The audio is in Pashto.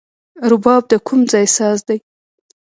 رباب د کوم ځای ساز دی؟